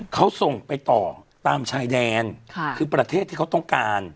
เขาส่งไปต่อตามชายแดนคือประเทศที่เขาต้องการ